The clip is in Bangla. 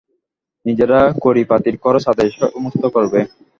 নিজেরা কড়িপাতির খরচ-আদায় সমস্ত করবে।